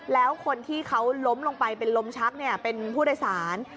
แล้วคนที่เขาล้มลงไปเป็นลมชักเป็นผู้โดยสาร